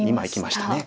いきました。